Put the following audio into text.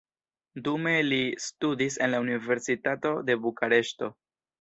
Dume li studis en la universitato de Bukareŝto.